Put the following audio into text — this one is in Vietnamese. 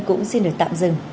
cũng xin được tạm dừng